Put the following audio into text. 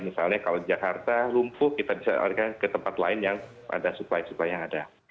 misalnya kalau jakarta lumpuh kita bisa alihkan ke tempat lain yang ada supply supply yang ada